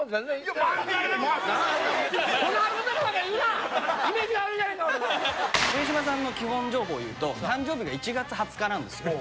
上島さんの基本情報を言うと誕生日が１月２０日なんですよ。